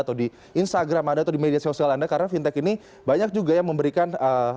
atau di instagram anda atau di media sosial anda karena fintech ini banyak juga yang memberikan